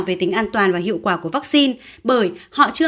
về tính an toàn và hiệu quả của vaccine